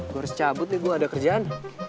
gue harus cabut nih gue ada kerjaan